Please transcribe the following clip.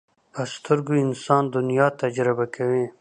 په سترګو انسان دنیا تجربه کوي